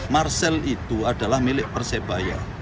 marcel itu adalah milik persebaya